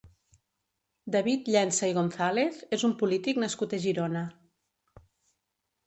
David Llensa i González és un polític nascut a Girona.